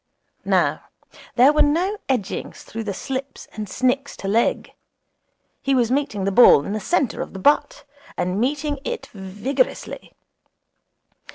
Now there were no edgings through the slips and snicks to leg. He was meeting the ball in the centre of the bat, and meeting it vigorously.